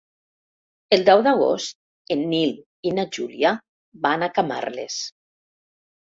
El deu d'agost en Nil i na Júlia van a Camarles.